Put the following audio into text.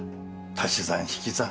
足し算引き算